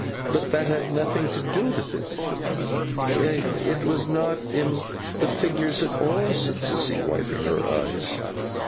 But that had nothing to do with it. It was not in the figures at all,' said Sissy, wiping her eyes.